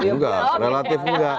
enggak relatif enggak